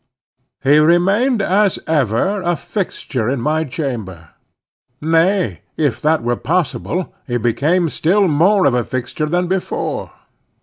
He remained as ever, a fixture in my chamber. Nay—if that were possible—he became still more of a fixture than before.